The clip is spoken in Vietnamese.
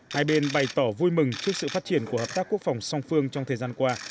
hai bên bày tỏ vui mừng trước sự phát triển của hợp tác quốc phòng song phương trong thời gian qua